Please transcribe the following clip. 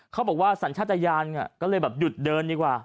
เขาบอกว่าสัญชาติยานก็เลยแบบหยุดเดินดีกว่า